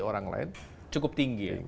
orang lain cukup tinggi